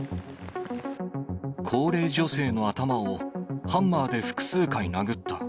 高齢女性の頭をハンマーで複数回殴った。